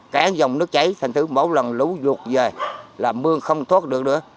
cả dòng nước cháy thành thứ mỗi lần lũ ruột về là mương không thoát được nữa